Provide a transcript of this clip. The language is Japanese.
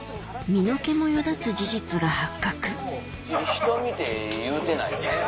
人見て言うてないよね？